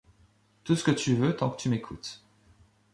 tout ce que tu veux tant que tu m'écoutes.